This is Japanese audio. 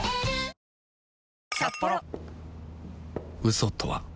嘘とは